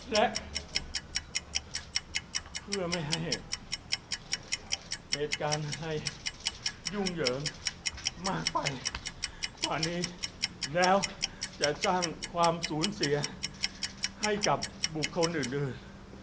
และเพื่อไม่ให้เหตุการณ์ไทยยุ่งเหยิงมากไปกว่านี้แล้วจะสร้างความสูญเสียให้กับบุคคลอื่น